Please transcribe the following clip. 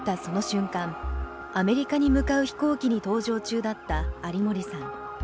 アメリカに向かう飛行機に搭乗中だった有森さん。